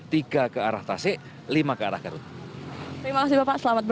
tiga ke arah tasik lima ke arah garut